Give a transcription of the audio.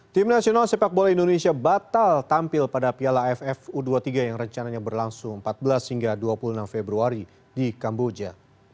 tim nasional sepak bola indonesia batal tampil pada piala aff u dua puluh tiga yang rencananya berlangsung empat belas hingga dua puluh enam februari di kamboja